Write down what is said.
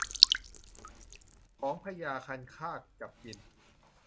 ของพญาคันคากจับกิน